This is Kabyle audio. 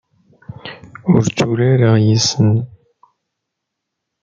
Ur tturareɣ yes-sen.